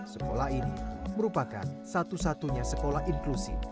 sekolah ini merupakan satu satunya sekolah inklusi